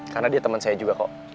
karena dia temen saya juga kok